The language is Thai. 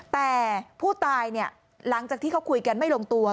แต่ผู้ตายเนี่ยหลังจากที่เขาคุยกันไม่ลงตัว